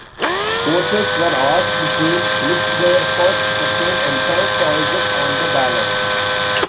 Voters were asked to list their first, second and third choices on the ballot.